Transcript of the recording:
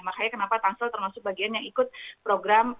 makanya kenapa tangsel termasuk bagian yang ikut program